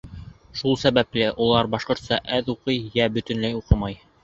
Шул сәбәпле улар башҡортса әҙ уҡый йә бөтөнләй уҡымай.